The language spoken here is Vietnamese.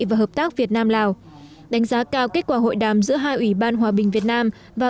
và hợp tác việt nam lào đánh giá cao kết quả hội đàm giữa hai ủy ban hòa bình việt nam và